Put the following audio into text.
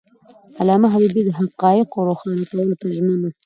علامه حبيبي د حقایقو روښانه کولو ته ژمن و.